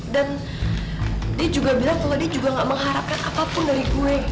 dan dia juga bilang kalo dia juga gak mengharapkan apapun dari gue